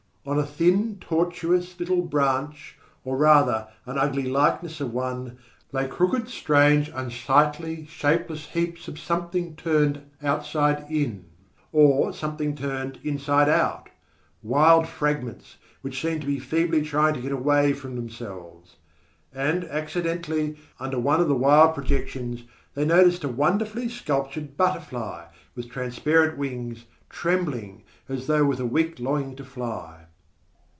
On a thin tortuous little branch, or rather an ugly likeness of one, lay crooked, strange, unsightly, shapeless heaps of something turned outside in, or something turned inside out wild fragments which seemed to be feebly trying to get away from themselves. And, accidentally, under one of the wild projections, they noticed a wonderfully sculptured butterfly, with transparent wings, trembling as though with a weak longing to fly.